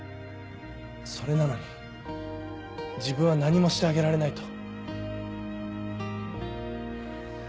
それなのに自分は何もしてあげられないと。